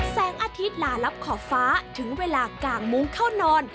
แสงอาทิตย์ลาลับขอบฟ้าถึงเวลากางมุ้งเข้านอน